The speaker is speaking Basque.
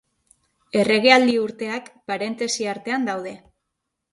Erregealdi urteak, parentesi artean daude.